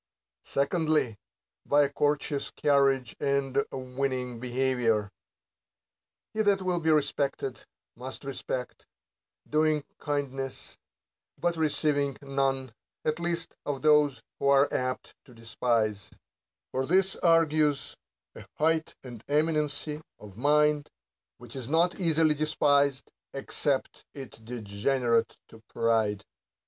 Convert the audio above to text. Secondly, by a courteous carriage and winning beha 'ior. He that will be respected, must respect ; doing kindnesses, but receiving none, at least of those who are apt to despise ; for this argues a height and erainency of mind, 29 62 THE COUNTRY PARSON. which is not easily despised, except it degenerate to pride.